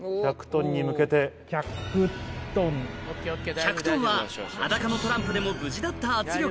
１００ｔは裸のトランプでも無事だった圧力